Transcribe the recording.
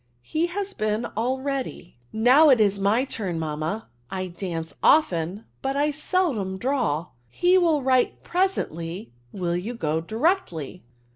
He has been already." n 3 '' Now it is SF^ turn, mamma: I issaee eften, but I seldom draw«^ He will writer presently t Will you go directly